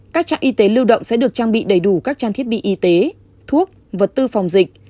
các trạm y tế lưu động sẽ được trang bị đầy đủ các trang thiết bị y tế thuốc vật tư phòng dịch